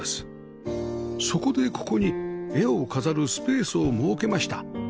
そこでここに絵を飾るスペースを設けました